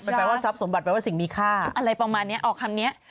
มันแปลว่าทรัพย์สมบัติแปลว่าสิ่งมีค่าอะไรประมาณนี้ออกคำนี้